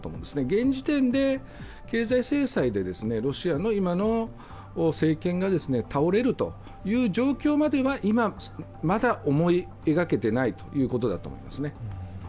現時点で経済制裁でロシアの今の政権が倒れるという状況までは今まだ思い描けていないということだと思います。